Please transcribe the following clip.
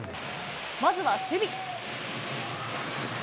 まずは守備。